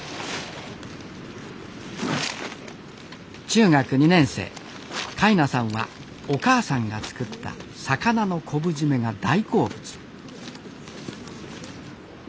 中学２年生海奈さんはお母さんが作った魚の昆布締めが大好物。